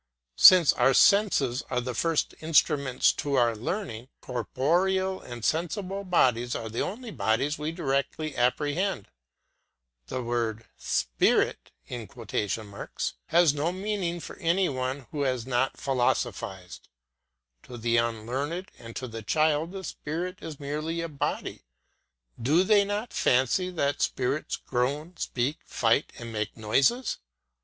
Since our senses are the first instruments to our learning, corporeal and sensible bodies are the only bodies we directly apprehend. The word "spirit" has no meaning for any one who has not philosophised. To the unlearned and to the child a spirit is merely a body. Do they not fancy that spirits groan, speak, fight, and make noises?